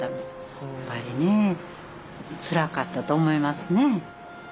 やっぱりねつらかったと思いますね。